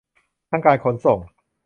ทั้งการขนส่ง